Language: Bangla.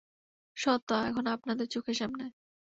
সত্য এখন আপনাদের চোখের সামনে!